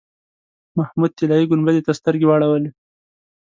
محمود طلایي ګنبدې ته سترګې واړولې.